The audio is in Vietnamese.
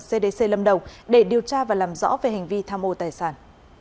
cdc lâm đồng để điều tra và làm rõ về hành vi tham ô tài sản